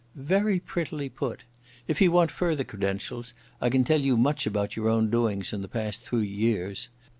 "Very prettily put. If you want further credentials I can tell you much about your own doings in the past three years.